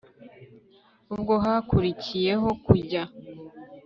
Ubwo hakurikiyeho kujya